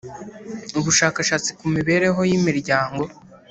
ubushakashatsi ku mibereho y'imiryango